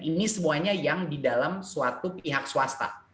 ini semuanya yang di dalam suatu pihak swasta